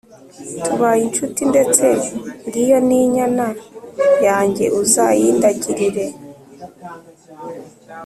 tubaye inshuti, ndetse ngiyo n’inyana yange uzayindagirire